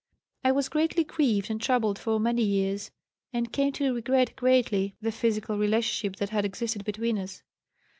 I was greatly grieved and troubled for many years, and came to regret greatly the physical relationship that had existed between us.